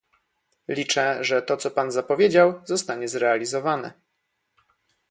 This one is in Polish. Liczę, że to co pan zapowiedział, zostanie zrealizowane